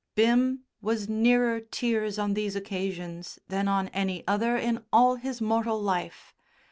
Bim was nearer tears on these occasions than on any other in all his mortal life.